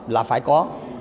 là phải có